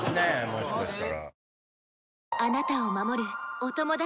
もしかしたら。